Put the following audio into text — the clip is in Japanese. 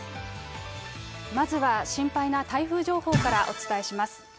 まずは心配な台風情報からお伝えします。